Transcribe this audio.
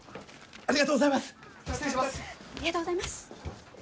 ありがとうございます。